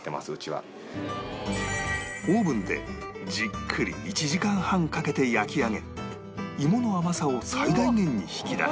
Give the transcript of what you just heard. オーブンでじっくり１時間半かけて焼き上げ芋の甘さを最大限に引き出し